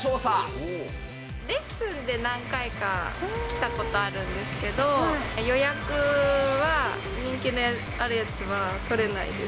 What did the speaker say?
レッスンで何回か来たことあるんですけど、予約は、人気あるやつは取れないです。